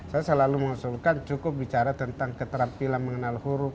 saya selalu mengusulkan cukup bicara tentang keterampilan mengenal huruf